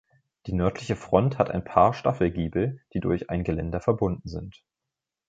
Die nördliche Front hat ein Paar Staffelgiebel, die durch ein Geländer verbunden sind.